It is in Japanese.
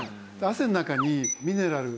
汗の中にミネラル。